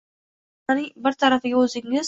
So‘ngra shartnomaning bir tarafiga o‘zingiz